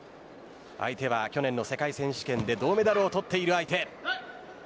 相手は去年の世界選手権で銅メダルを取っている相手。